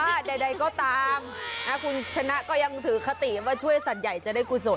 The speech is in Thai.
อ่ะแต่ว่าใดก็ตามคุณชนะก็ยังถือคติว่าช่วยสัตว์ใหญ่จะได้กูโสด